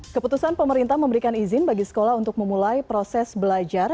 keputusan pemerintah memberikan izin bagi sekolah untuk memulai proses belajar